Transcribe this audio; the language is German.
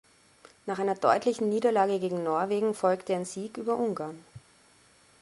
Nach einer deutlichen Niederlagen gegen Norwegen folgte ein Sieg über Ungarn.